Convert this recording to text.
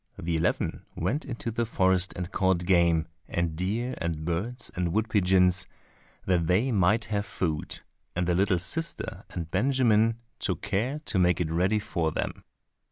The eleven went into the forest and caught game, and deer, and birds, and wood pigeons that they might have food, and the little sister and Benjamin took care to make it ready for them.